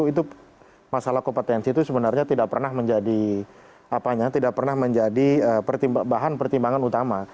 itu masalah kompetensi itu sebenarnya tidak pernah menjadi bahan pertimbangan utama